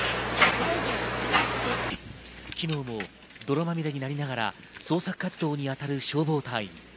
昨日も泥まみれになりながら捜索活動にあたる消防隊員。